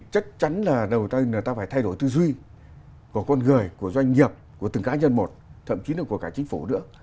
chắc chắn là đầu tiên là ta phải thay đổi tư duy của con người của doanh nghiệp của từng cá nhân một thậm chí là của cả chính phủ nữa